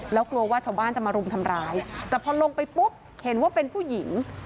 แล้วกลัวว่าชาวบ้านจะมารุมทำร้ายแต่พอลงไปปุ๊บเห็นว่าเป็นผู้หญิง